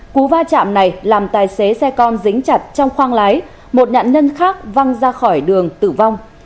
cú va chạm này làm tài xế xe con dính chặt trong khoang lái một nạn nhân khác văng ra khỏi đường tử vong